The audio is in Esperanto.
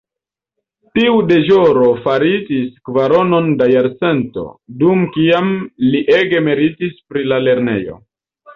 Tiu deĵoro faritis kvaronon da jarcento, dum kiam li ege meritis pri la lernejo.